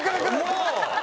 もう！